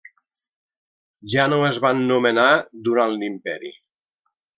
Ja no es van nomenar durant l'Imperi.